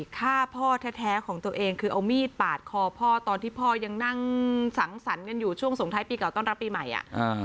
ฆ่าพ่อแท้ของตัวเองคือเอามีดปาดคอพ่อตอนที่พ่อยังนั่งสังสรรค์กันอยู่ช่วงสงท้ายปีเก่าต้อนรับปีใหม่อ่ะอ่า